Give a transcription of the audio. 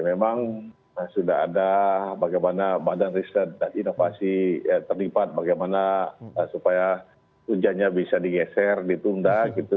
memang sudah ada bagaimana badan riset dan inovasi terlibat bagaimana supaya hujannya bisa digeser ditunda gitu